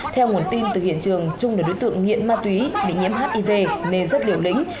theo nguồn tin từ hiện trường trung là đối tượng nghiện ma túy bị nhiễm hiv nên rất liều lĩnh